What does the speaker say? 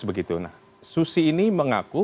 begitu nah susi ini mengaku